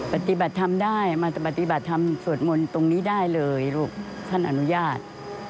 ปฏิบัติธรรมส่วนมนต์